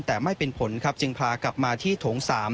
แต่ไม่เป็นผลครับจึงพากลับมาที่โถง๓